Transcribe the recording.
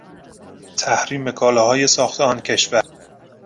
تحریم کالاهای ساخت آن کشور